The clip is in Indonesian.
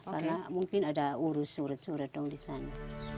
karena mungkin ada urus surut surut dong di sana